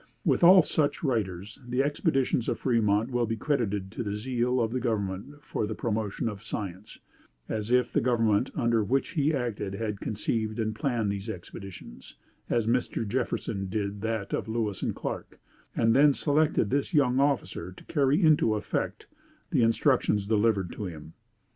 With all such writers the expeditions of Fremont will be credited to the zeal of the government for the promotion of science, as if the government under which he acted had conceived and planned these expeditions, as Mr. Jefferson did that of Lewis and Clark, and then selected this young officer to carry into effect the instructions delivered to him.